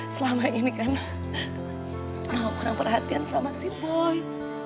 selama ini kan mau kurang perhatian sama si boy